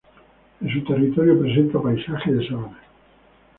En su territorio presenta paisaje de sabana.